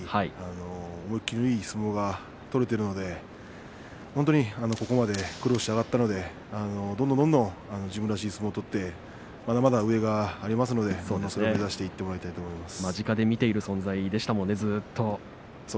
今場所は栃丸らしいきっぷのいい相撲が取れているので本当にここまで苦労して上がったのでどんどんどんどん自分らしい相撲を取ってまだまだ上がありますので力を出していってほしいと思います。